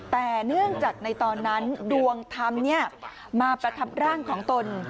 แต่เนื่องจากในตอนนั้นดวงธรรมมาประทับร่างของตน